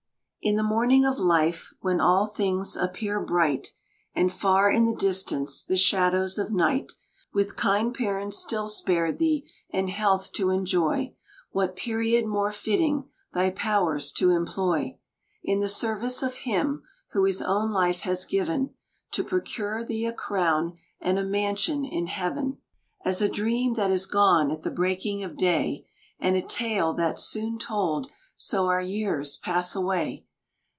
In the morning of life, when all things appear bright, And far in the distance the shadows of night, With kind parents still spared thee, and health to enjoy, What period more fitting thy powers to employ In the service of him, who his own life has given To procure thee a crown and a mansion in Heaven. As a dream that is gone at the breaking of day, And a tale that's soon told, so our years pass away.